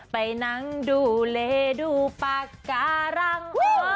ไปนั่งดูเลดูปากการัง